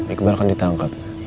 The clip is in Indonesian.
iqbal kan ditangkap